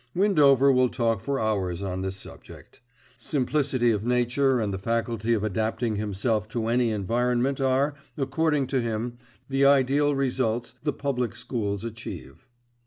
Windover will talk for hours on this subject. Simplicity of nature and the faculty of adapting himself to any environment are, according to him, the ideal results the Public Schools achieve.